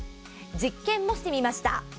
実験もしてみました。